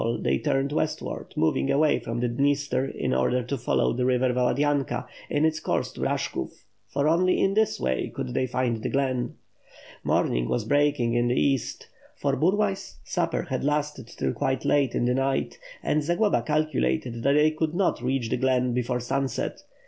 they turned westward, moving away from the Dniester in order to follow the river Valadynka in its course to Bash kov; for only in this way could they find the glen. Morning was breaking in the east, for Burlay's supper had lasted till quite late in the night; and Zagloba calculated that they could not reach the glen before sunset.